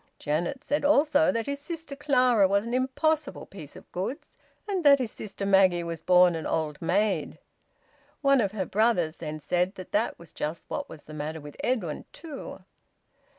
Janet said also that his sister Clara was an impossible piece of goods, and that his sister Maggie was born an old maid. One of her brothers then said that that was just what was the matter with Edwin too!